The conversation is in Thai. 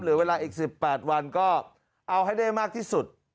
เหลือเวลาอีก๑๘วันก็เอาให้ได้มากที่สุด